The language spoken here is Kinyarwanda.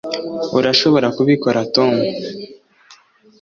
urashobora kubikora, tom